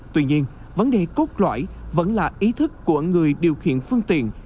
tuy nhiên vấn đề cốt loại vẫn là ý thức của người điều khiển phương tiện